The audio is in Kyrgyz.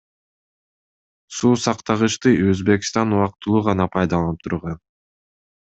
Суу сактагычты Өзбекстан убактылуу гана пайдаланып турган.